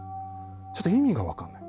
ちょっと意味が分からない。